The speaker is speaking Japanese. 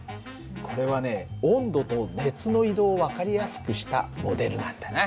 これはね温度と熱の移動を分かりやすくしたモデルなんだな。